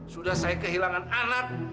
sudah saya kehilangan anak